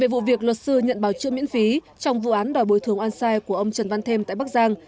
vụ việc luật sư nhận bảo trưởng miễn phí trong vụ án đòi bồi thường an sai của ông trần văn thêm tại bắc giang